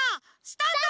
スタート！